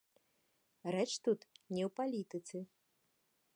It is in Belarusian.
Рэч тут не ў палітыцы.